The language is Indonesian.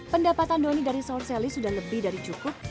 pendapatan doni dari sour sally sudah lebih dari cukup